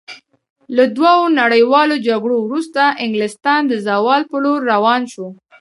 له دوو نړیوالو جګړو وروسته انګلستان د زوال په لور روان شو.